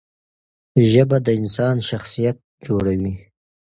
ژبه د انسان شخصیت جوړوي.